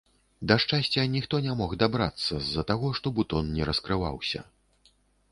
Да шчасця ніхто не мог дабрацца з-за таго, што бутон не раскрываўся.